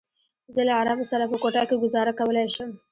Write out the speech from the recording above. زه له عربو سره په کوټه کې ګوزاره کولی شم.